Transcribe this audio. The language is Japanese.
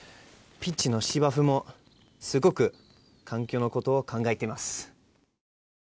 ピッチの芝生もすごく環境のことを考えています。